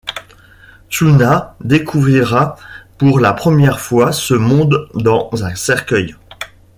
Tsuna découvrira pour la première fois ce monde dans un cercueil.